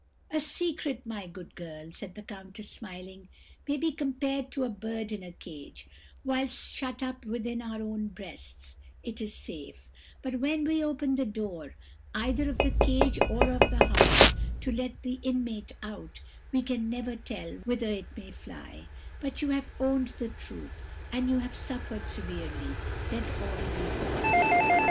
"'A secret, my good girl,' said the countess, smiling, 'may be compared to a bird in a cage; whilst shut up within our own breasts, it is safe; but when we open the door, either of the cage or of the heart, to let the inmate out, we can never tell whither it may fly; but you have owned the truth, and you have suffered severely let all be forgotten.'